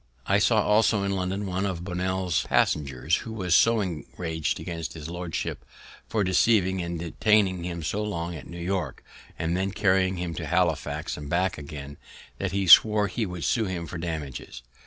I saw also in London one of Bonnell's passengers, who was so enrag'd against his lordship for deceiving and detaining him so long at New York, and then carrying him to Halifax and back again, that he swore he would sue him for damages.